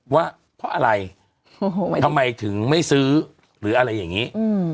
ว่าเพราะอะไรทำไมถึงไม่ซื้อหรืออะไรอย่างนี้